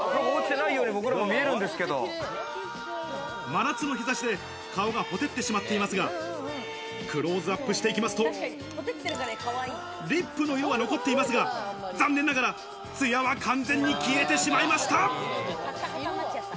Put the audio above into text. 真夏の日差しで顔がほてってしまっていますが、クローズアップしていきますと、リップの色は残っていますが、残念ながら艶は完全に消えてしまいました。